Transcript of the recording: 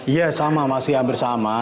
iya sama masih hampir sama